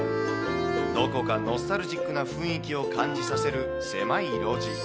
どこかノスタルジックな雰囲気を感じさせる狭い路地。